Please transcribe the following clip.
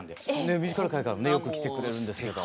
ミュージカル界からもよく来てくれるんですけど。